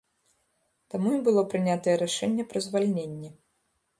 Таму і было прынятае рашэнне пра звальненне.